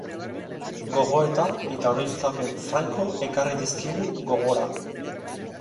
Gogoeta eta oroitzapen franko ekarri dizkigu gogora.